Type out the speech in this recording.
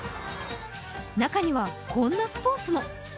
中には、こんなスポーツも。